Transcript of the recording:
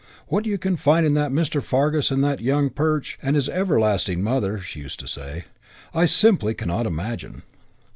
"What you can find in that Mr. Fargus and that young Perch and his everlasting mother," she used to say, "I simply cannot imagine."